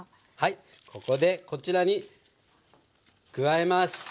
ここでこちらに加えます。